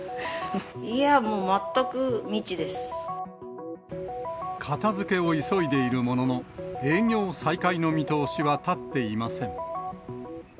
いやー、片づけを急いでいるものの、営業再開の見通しは立っていません。